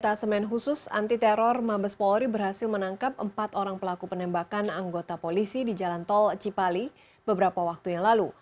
apa semen khusus anti teror mabes polri berhasil menangkap empat orang pelaku penembakan anggota polisi di jalan tol cipali beberapa waktu yang lalu